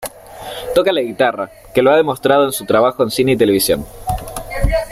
Toca la guitarra, que lo ha demostrado en su trabajo en cine y televisión.